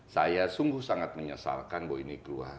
saya sungguh sangat menyesalkan bahwa ini keluar